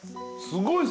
すごい。